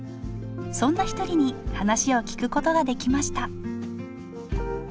そんな一人に話を聞くことができました